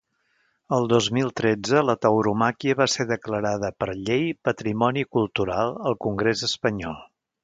El dos mil tretze, la tauromàquia va ser declarada per llei patrimoni cultural al congrés espanyol.